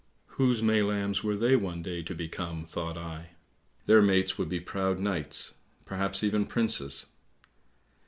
Whose May lambs were they one day to become, thought I; their mates would be proud knights — perhaps even princes!